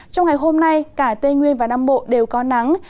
trong ngày hôm nay cả tây nguyên và nam bộ đều có nắng